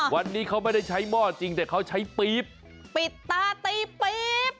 วันนี้เขาไม่ได้ใช้หม้อจริงแต่เขาใช้ปี๊บปิดตาตีปี๊บ